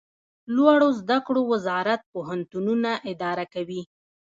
لوړو زده کړو وزارت پوهنتونونه اداره کوي